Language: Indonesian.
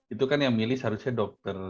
itu kan yang milih seharusnya dokter